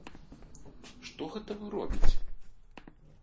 Што гэта вы робіце?